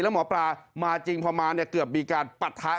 แล้วหมอปลามาจริงพอมาเกือบมีการปรัฐะกัน